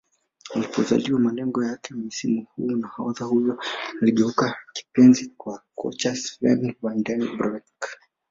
Alipoulizwa malengo yake msimu huu nahodha huyo aliyegeuka kipenzi kwa kocha Sven Vanden broeck